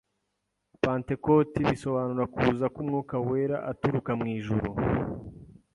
Pantecote bisobanura kuza k’Umwuka wera aturuka mw’ijuru,